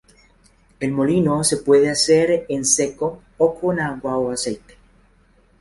El molido se puede hacer en seco o con agua o aceite.